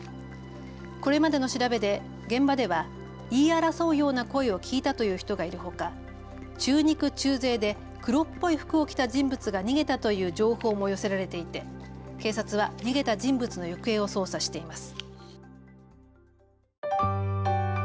これまでの調べで、現場では言い争うような声を聞いたという人がいるほか、中肉中背で黒っぽい服を着た人物が逃げたという情報も寄せられていて警察は逃げた人物の行方を捜査しています。